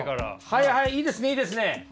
はいはいいいですいいですね。